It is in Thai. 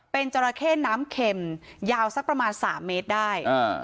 เป็นจราเข้น้ำเข็มยาวสักประมาณสามเมตรได้